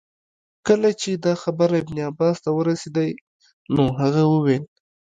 کله چي دا خبر ابن عباس ته ورسېدی نو هغه وویل.